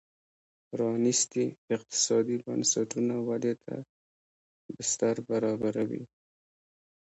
پرانیستي اقتصادي بنسټونه ودې ته بستر برابروي.